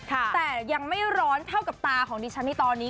แต่ยังไม่ร้อนเท่ากับตาของดิฉันในตอนนี้